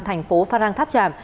thành phố phan rang tháp tràm